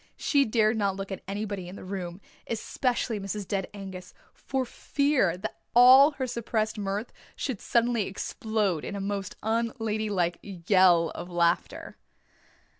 She dared not look at anybody in the room, especially Mrs. Dead Angus, for fear all her suppressed mirth should suddenly explode in a most un young ladylike yell of laughter.